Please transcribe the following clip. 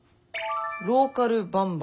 「『ローカルバンバン！』